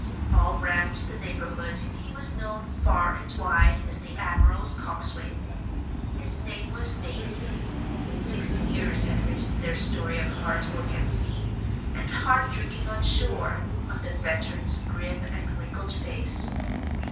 All round the neighborhood he was known, far and wide, as "the admiral's coxswain." His name was Mazey. Sixty years had written their story of hard work at sea, and hard drinking on shore, on the veteran's grim and wrinkled face.